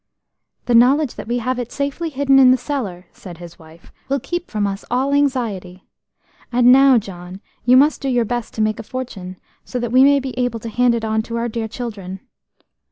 "The knowledge that we have it safely hidden in the cellar," said his wife, "will keep from us all anxiety. And now, John, you must do your best to make a fortune, so that we may be able to hand it on to our dear children."